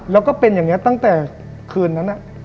แล้วก็เป็นอย่างนี้ตั้งแต่คืนนั้น